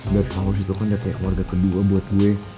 dapet flaus itu kan dapet warga kedua buat gue